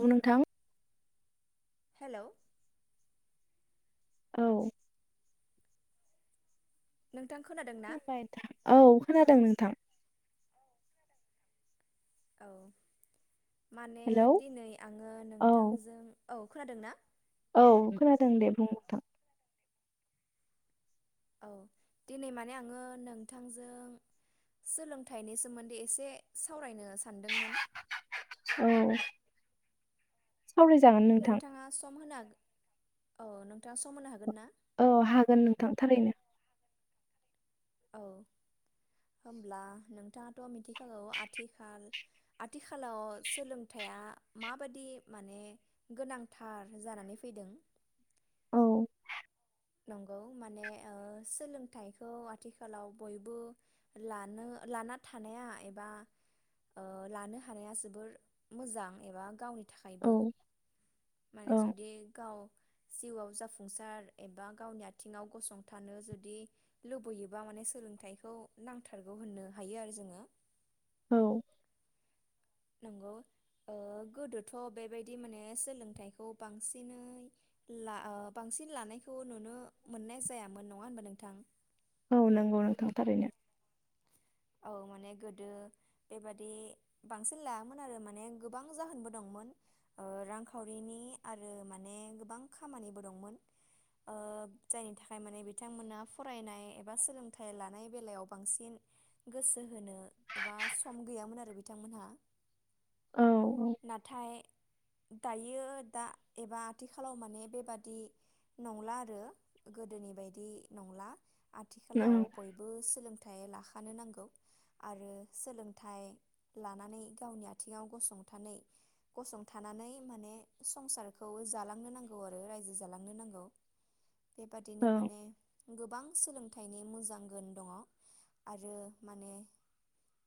औ नोंथां हेल' [inaudible] औ नों खुलुमबाय औ खोनादों नों थां औ माने हेलौ दिनै आङो औ नोंथांजों औ खोनादों ना औ खोनादों दे बुं नोथां औ दिनै माने आङो नोंथांजों सोलोंथाइनि सोमोन्दै एसे सावरायनो सान औ सावरायजागोन नोंथां नोंथाङा सम होनो हाग औ नोंथाङा सम हानो हागोनना औ हागोन नोंथां थारैनो। औ होमब्ला नोंथाङाथ' मिथिखागौ आथिखाल आथिखालाव सोलोंथाइया माबादि माने गोनांथार जानानै फैदों। औ नंगौ माने ओ सोलोंथाइखौ आथिखालाव बयबो लानो लाना थानाया एबा ओ लानो हानाया जोबोर मोजां एबा गावनि औ थाखायबो माने औ जुदि गाव जिउआव जाफुंसार एबा गावनि आथिङाव गसंथानो जुदि लुबैयोबा माने सोलोंथाइखौ नांथारगौ होननो हायो आरो जोङो। औ नंगौ ओ गोदोथ' बेबायदि माने सोलोंथाइखौ बांसिनै ला ओ बांसिन लानायखौ नुनो मोननाय जायामोन नङा होनबा नोंथां औ नंगौ नोंथां थारैनो औ माने गोदो बेबादि बांसिन लायामोन आरो माने गोबां जाहोनबो दंमोन ओ रांखावरिनि आरो माने गोबां खामानिबो दंमोन ओ जायनि थाखाय माने बिथांमोना फरायनाय एबा सोलोंथाइ लानाय बेलायाव बांसिन गोसो होनो एबा सम गैयामोन आरो बिथांमोनहा औ नाथाय दायो दा एबा आथिखालाव माने बेबादि नंला आरो गोदोनि बायदि नंला आथिखालाव बयबो सोलों फिथाइ लाखानो नांगो गौ आरो सोलोंथाइ लानानै गावनि आथिङाव गसंथानै गसंथानानै माने संसारखौ जालांनो नांगौ आरो रायजो जालांनो नांगौ बेबादिनो औ माने गोबां सोलों थाइनि मोजां गोन दङ आरो माने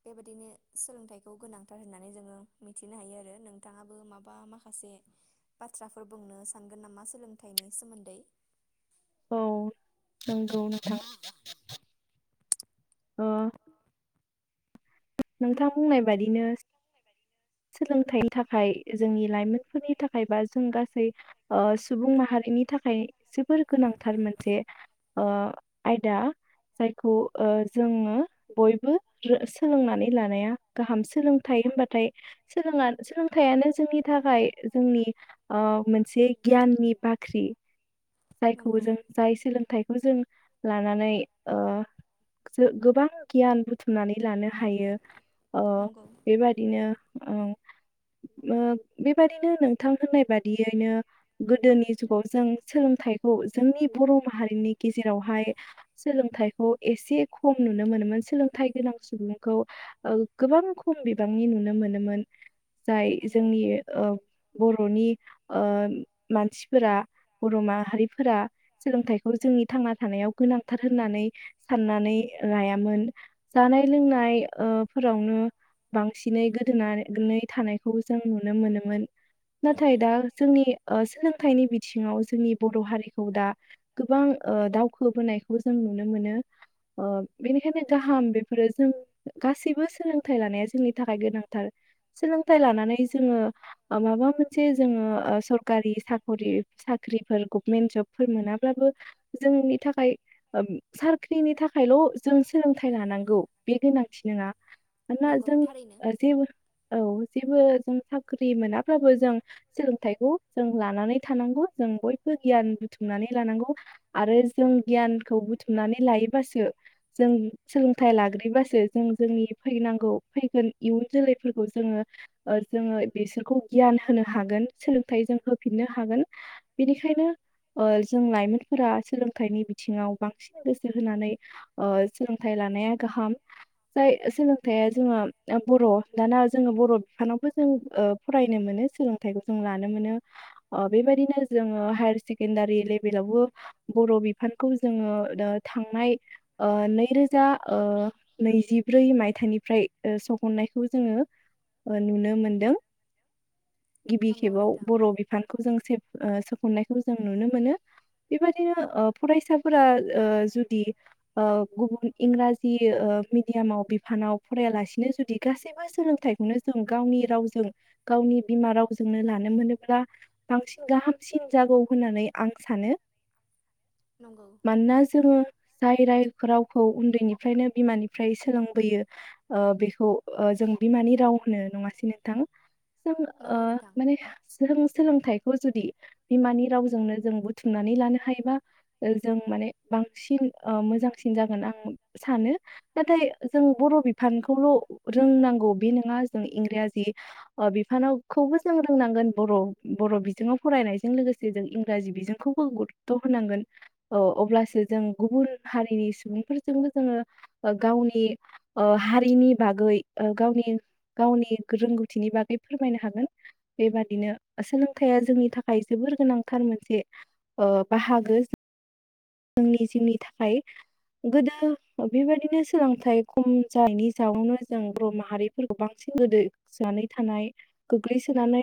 बेबायदिनो सोलोंथाइखौ गोनांथार होननानै जोङो मिथिनो हायो आरो नोंथाङाबो माबा माखासे बाथ्राफोर बुंनो सानगोन नामा सोलोंथाइनि सोमोन्दै औ नंगौ नोंथां नोंथां बुंनाय बादिनो सोलोंथाइनि थाखाय जोंनि लाइमोनफोरनि थाखाय बा जों गासै ओ सुबुं माहारिनि थाखाय जोबोर गोनांथार मोनसे ओ आयदा जायखौ ओ जोङो बयबो ओ सोलोंनानै लानाया गाहाम सोलोंथाय होनबाथाय सोलोंना सोलों थायानो जोंनि थाखाय जोंनि ओ मोन से गियाननि बाख्रि जायखौ नंगौ जों जाय सोलोंथाइखौ जों लानानै ओ जो गोबां गियान बुथुमनानै लानो हायो ओ नंगौ बेबादिनो ओम ओ बेबादिनो नोंथां होननाय बादियैनो गोदोनि जुगाव जों सोलोंथाइखौ जोंनि बर' माहारिनि गेजेरावहाय सोलोंथाइखौ एसे खम नुनो मोनोमोन सोलोंथाइ गोनां सुबुंखौ ओ गोबां खम बिबांनि नुनो मोनोमोन जाय नंगौ जोंनि ओ बर'नि ओ मानसिफोरा बर' माहारिफोरा सोलोंथाइखौ जोंनि थांना थानायाव गोनांथार होननानै साननानै लायामोन जानाय लोंनाय ओ [unintelligible] बांसिनै गोदोनानै थानायखौ जों नुनो मोनोमोन। नाथाय नंगौ दा जोंनि ओ सोलों बिथिङाव जोंनि बर' हारिखौ दा गोबां ओ दावखोबोनायखौ जों नुनो मोनो ओ बेनिखायनो गाहाम बेफोरो जों गासै [unintelligible] सोलोंथाइ लानाया जोंनि थाखाय गोनांथार सोलोंथाइ लानानै जोङो माबा मोनसे जोङो सरकारि साकरि साख्रिफोर गभमेन्ट जबफोर मोनाब्लाबो जोंनि थाखाय साख्रिनि थाखायल' जों सोलोंथाइ लानांगौ बे गोनांथि नोङा। ना नंगौ जों थारैनो जिउ औ जेबो जों साख्रि मोनाबाबबो जों सोलोंथाइखौ जों लानानै थानांगौ जों बयबो गियान बुथुमनानै लानांगौ आरो जों गियानखौ बुथुमनानै लायोबासो जों सोलोंथाइ लाग्रोयोबासो जों जोंनि फैनांगौ फैगोन इयुन जोलैफोरखौ जोङो ओ जोङो बिसोरखौ गियान होनो हागोन सोलोंथाइ जों होफिननो हागोन बेनिखायनो ओ जों लाइमोनफोरा सोलोंथाइनि बिथिङाव बांसिन गोसो होनानै ओ सोलोंथाइ लानाया गाहाम जाय सोलोंथाइया जोङो बर' दाना जोङो बर' बिफानावबो जों ओ फरायनो मोनो सोलोंथाइखौ जों लानो मोनो ओ बेबायदिनो जोङो हायार सेकेणडारि लेभेलावबो बर' बिफानखौ जोङो ओ थांनाय ओ नैरोजा ओ नैजि ब्रै मायथाइनिफ्राय ओ सहननायखौ जोङो नुनो मोनदों। गिबि नंगौ खेबाव नोंथां बर' बिफानखौ जों [unintelligible] ओ सोखननायखौ जों नुनो मोनो बेबादिनो ओ फरायसाफोरा ओ जुदि ओ गुबुन इंराजि ओ [unintelligible] मिडियामाव बिफानाव फरायालासिनो जुदि गासैबो सोलोंथाइखौनो जों गावनि रावजों गावनि बिमा रावजोंनो लानो मोनोब्ला बांसिन गाहामसिन जागौ होननानै आं सानो। नंगौ मोनोना जोङो जाय रायफोरावखौ उन्दैनिफ्रायनो बिमानि [unintelligible] सोलोंबोयो बेखौ जों बिमानि राव होनो नङासै नोंथां? जों ओ नंगौ नोंथां माने [unintelligible] सोलोंथाइखौ जुदि बिमानि रावजोंनो जों बुथुमनानै लानो हायोबा जों माने बांसिन मोजांसिन जागोन आं सानो। नाथाय जों बर' बिफानखौल' रोंनांगौ बे नङा जों इंराजि बिफानावखौबो जों रोंनांगोन बर' बर' बिजोङाव फरायनायजों लोगोसे जों इंराजि बिजोंखौबो गुरुत्त' होनांगोन अब्लासो जों गुबुन हारिनि सुबुंफोरजोंबो जोङो गावनि हारिनि बागै गावनि गावनि रोंगौथिनि बागै फोरमायनो हागोन बेबादिनो सोलोंथाइया जोंनि थाखाय जोबोर गोनांथार मोनसे बाहागो। बिनो सोलोंथाइ खम जानायनि जाउनावनो जों बर' माहारिफोरखौ बांसिन गोदोसोनानै थानाय गोग्लैसोनानै